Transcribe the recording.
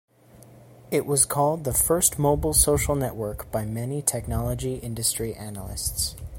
It was called the first mobile social network by many technology industry analysts.